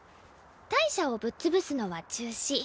大赦をぶっ潰すのは中止。